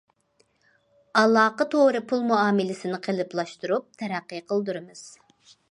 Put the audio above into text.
ئالاقە تورى پۇل مۇئامىلىسىنى قېلىپلاشتۇرۇپ تەرەققىي قىلدۇرىمىز.